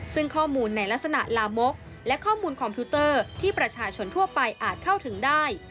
ซึ่งข้อมูลในลักษณะลามกและข้อมูลคอมพิวเตอร์ที่ประชาชนทั่วไปอาจเข้าถึงได้